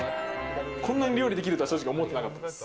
こんなに料理できるとは正直思ってなかったです。